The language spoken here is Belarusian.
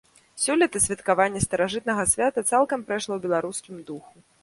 Сёлета святкаванне старажытнага свята цалкам прайшло ў беларускім духу.